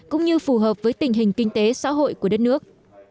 cũng như phù hợp với tình hình kinh tế xã hội của đất nước